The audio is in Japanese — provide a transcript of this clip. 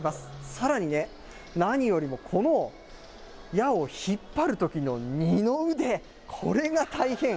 さらにね、何よりもこの矢を引っ張るときの二の腕、これが大変。